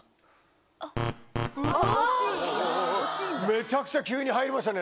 めちゃくちゃ急に入りましたね